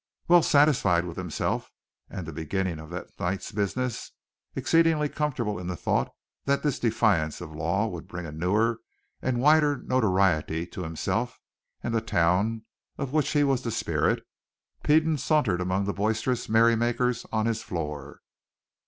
Well satisfied with himself and the beginning of that night's business, exceedingly comfortable in the thought that this defiance of the law would bring a newer and wider notoriety to himself and the town of which he was the spirit, Peden sauntered among the boisterous merrymakers on his floor.